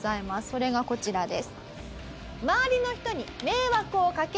それがこちらです。